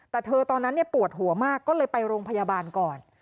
แต่เธอตอนนั้นปวดหัวมากก็เลยไปโรงพยาบาลก่อน